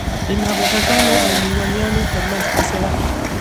د نابغه ګانو او لېونیانو ترمنځ فاصله.